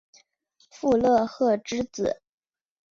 傅勒赫之子。